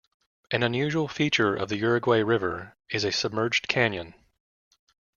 An unusual feature of the Uruguay River is a submerged canyon.